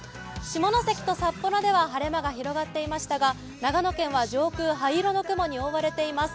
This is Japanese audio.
下関と札幌では晴れ間が広がっていましたが長野県は上空灰色の雲に覆われています。